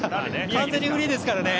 完全にフリ−ですからね。